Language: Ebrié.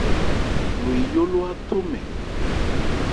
Lo eyó ló áthomɛn.